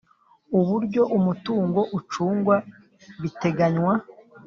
Uburyo umutungo ucungwa biteganywa